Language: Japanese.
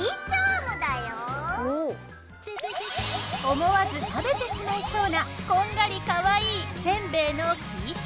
思わず食べてしまいそうなこんがりかわいいせんべいのキーチャーム。